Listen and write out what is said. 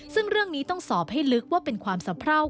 ซึ่งเรื่องนี้ต้องสอบให้ลึกว่าเป็นความสะเพรา